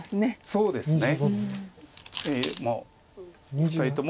そうですね。